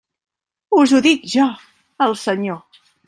Us ho dic jo, el Senyor.